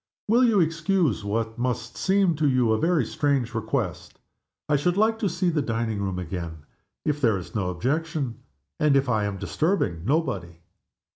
Will you excuse what must seem to you a very strange request? I should like to see the dining room again, if there is no objection, and if I am disturbing nobody."